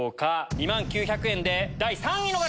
２万９００円で第３位の方！